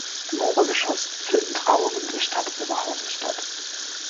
Im Obergeschoss finden Trauungen der Stadt Oberhausen statt.